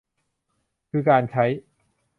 คือการใช้